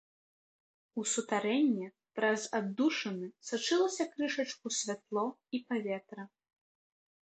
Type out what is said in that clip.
У сутарэнне праз аддушыны сачылася крышачку святло і паветра.